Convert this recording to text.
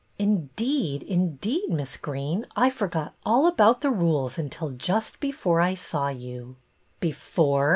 " Indeed, indeed. Miss Greene, I forgot all about the rules until just before I saw you." " Before?"